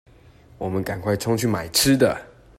我們趕快衝去買吃的